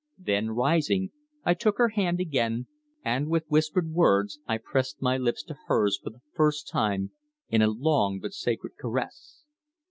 Then, rising, I took her hand again, and with whispered words I pressed my lips to hers for the first time in a long but sacred caress.